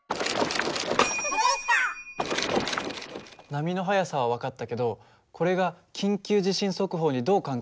波の速さは分かったけどこれが緊急地震速報にどう関係してるの？